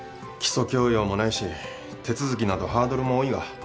基礎教養もないし手続きなどハードルも多いが。